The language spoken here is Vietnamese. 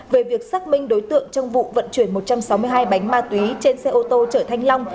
về việc xác minh đối tượng trong vụ vận chuyển một trăm sáu mươi hai bánh ma túy trên xe ô tô chở thanh long